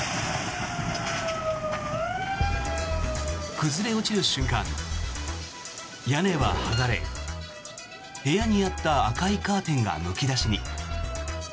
崩れ落ちる瞬間、屋根は剥がれ部屋にあった赤いカーテンがむき出しに。